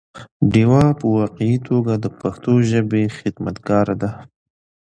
ډيوه په واقعي توګه د پښتو ژبې خدمتګاره ده